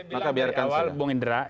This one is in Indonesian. maka biarkan saja